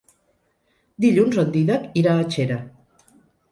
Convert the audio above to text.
Dilluns en Dídac irà a Xera.